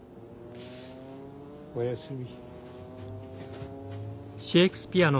おやすみ。